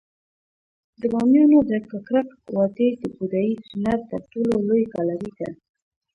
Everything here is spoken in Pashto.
د بامیانو د ککرک وادي د بودايي هنر تر ټولو لوی ګالري ده